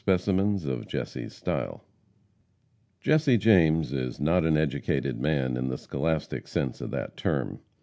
EPISTLES OF JESSE JAMES. Jesse James is not an educated man in the scholastic sense of that term.